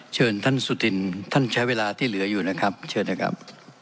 เชิญท่านสุธินท่านใช้เวลาที่เหลืออยู่นะครับเชิญนะครับ